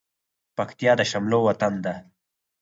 پکتيا د شملو وطن ده